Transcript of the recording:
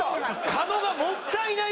狩野がもったいないっすよ。